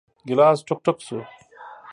ګیلاس ټوک ، ټوک شو .